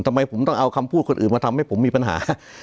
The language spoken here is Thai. ทำไมผมต้องเอาคำพูดคนอื่นมาทำให้ผมมีปัญหา